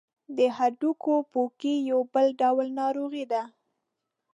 د هډوکو پوکی یو بل ډول ناروغي ده.